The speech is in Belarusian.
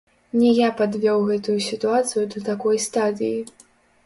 Не я падвёў гэтую сітуацыю да такой стадыі.